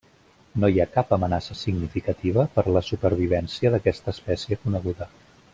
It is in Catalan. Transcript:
No hi ha cap amenaça significativa per a la supervivència d'aquesta espècie coneguda.